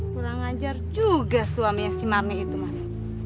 kurang ajar juga suaminya si mami itu mas